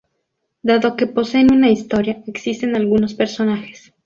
Dado que poseen una historia, existen algunos personajes.